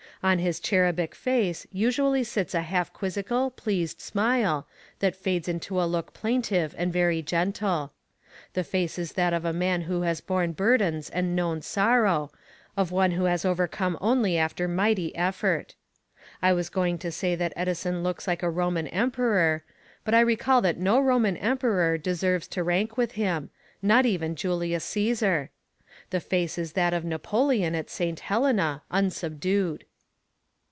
On his cherubic face usually sits a half quizzical, pleased smile, that fades into a look plaintive and very gentle. The face is that of a man who has borne burdens and known sorrow, of one who has overcome only after mighty effort. I was going to say that Edison looks like a Roman Emperor, but I recall that no Roman Emperor deserves to rank with him not even Julius Cæsar! The face is that of Napoleon at Saint Helena, unsubdued.